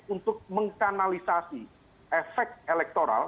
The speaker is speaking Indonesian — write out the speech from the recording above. untuk menganalisasi efek elektoral